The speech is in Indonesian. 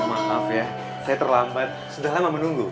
maaf ya saya terlambat sudah lama menunggu